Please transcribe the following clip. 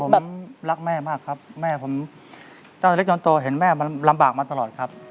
ผมรักแม่มากครับแม่ผมเจ้าเล็กจนโตเห็นแม่มันลำบากมาตลอดครับ